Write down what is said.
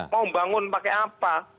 mau membangun pakai apa